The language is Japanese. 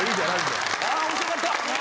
面白かった。